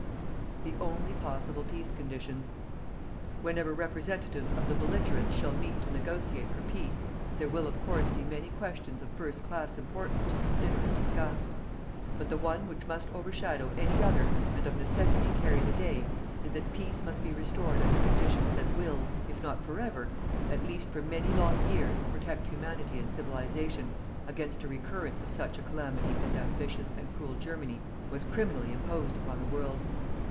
THE ONLY POSSIBLE PEACE CONDITIONS. Whenever representatives of the belligerents shall meet to negotiate for peace, there will of course be many questions of first class importance to consider and discuss. But the one which must overshadow any other and of necessity carry the day, is that peace must be restored under conditions that will, if not forever, at least for many long years, protect Humanity and Civilization against a recurrence of such a calamity as ambitious and cruel Germany has criminally imposed upon the world.